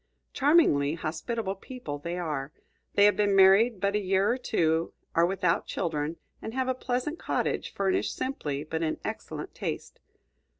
Charmingly hospitable people they are. They have been married but a year or two, are without children, and have a pleasant cottage furnished simply but in excellent taste.